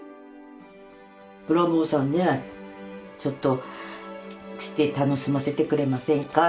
ブラボーさんに「ちょっと来て楽しませてくれませんか？」